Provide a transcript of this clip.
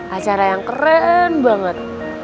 acara yang keren banget